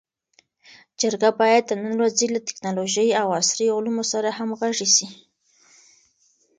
جرګه باید د نن ورځې له ټکنالوژۍ او عصري علومو سره همږغي سي.